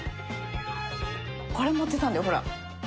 これ持ってたんだよほら。